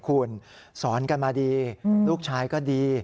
คุณสอนกันมาดีลูกชายก็ดี